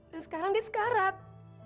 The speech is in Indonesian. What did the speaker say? dan sekarang dia sekarat